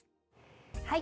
はい。